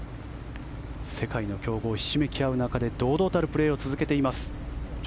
世界の強豪ひしめき合う中で堂々たるプレーを続けています。